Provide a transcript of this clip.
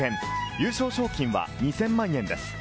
優勝賞金は２０００万円です。